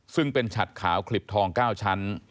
ซึ่งเป็นฉัดขาวขลิบทอง๙ชั้น